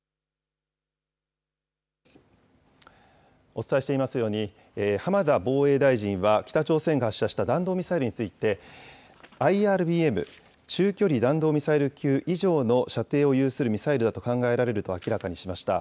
お伝えしていますように、浜田防衛大臣は北朝鮮が発射した弾道ミサイルについて、ＩＲＢＭ・中距離弾道ミサイル級以上の射程を有するミサイルだと考えられると明らかにしました。